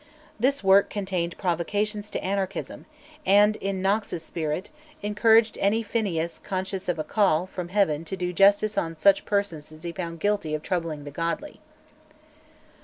This work contained provocations to anarchism, and, in Knox's spirit, encouraged any Phinehas conscious of a "call" from Heaven to do justice on such persons as he found guilty of troubling the godly.